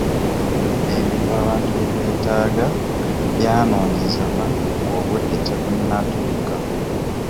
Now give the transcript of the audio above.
Ebintu abantu bye beetaaga byanoonyezebwa ng'obudde tebunnatuuka.